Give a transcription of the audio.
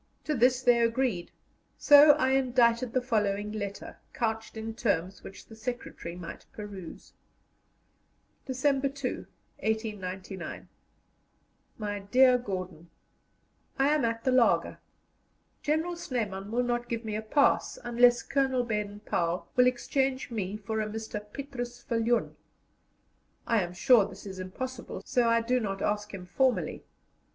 To this they agreed, so I indited the following letter, couched in terms which the secretary might peruse: "December 2, 1899. "MY DEAR GORDON, "I am at the laager. General Snyman will not give me a pass unless Colonel Baden Powell will exchange me for a Mr. Petrus Viljoen. I am sure this is impossible, so I do not ask him formally.